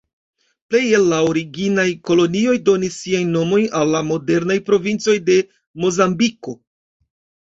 Plej el la originaj kolonioj donis siajn nomojn al la modernaj provincoj de Mozambiko.